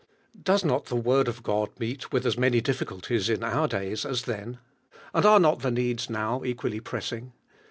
Hoes not the Word of God meet with as many difficulties in our days as then, and are not the needs now equally pressing?